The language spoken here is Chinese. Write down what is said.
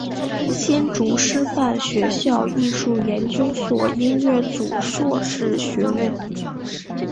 新竹师范学校艺术研究所音乐组硕士学位。